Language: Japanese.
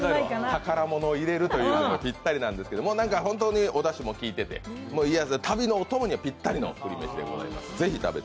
宝物を入れるというのにぴったりなんですけれども、本当におだしもきいてて旅のお供にはぴったりの栗めしでございます。